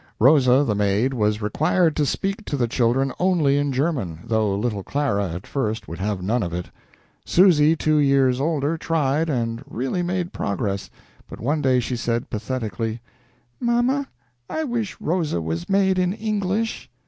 Rosa, the maid, was required to speak to the children only in German, though little Clara at first would have none of it. Susy, two years older, tried, and really made progress, but one day she said, pathetically: "Mama, I wish Rosa was made in English."